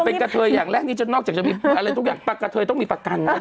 เป็นกระเทยอย่างแรกนี้จนนอกจากจะมีอะไรทุกอย่างปลากะเทยต้องมีประกันนะ